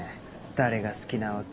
誰が好きなわけ？